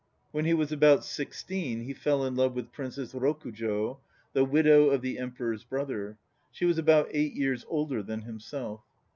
When he was about sixteen he fell in love with Princess Rokujo, the widow of the Emperor's brother; she was about eight years older than himself.